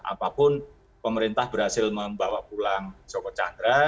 apapun pemerintah berhasil membawa pulang joko chandra